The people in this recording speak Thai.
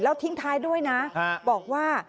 ทิ้งท้ายด้วยนะบอกว่า